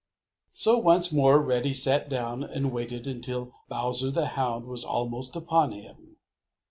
So once more Reddy sat down and waited until Bowser the Hound was almost up to him.